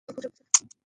ও খুবই শক্তিশালী।